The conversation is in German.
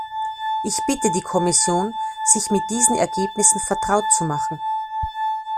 Ich bitte die Kommission, sich mit diesen Ergebnissen vertraut zu machen.